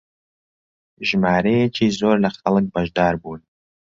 ژمارەیەکی زۆر لە خەڵک بەشدار بوون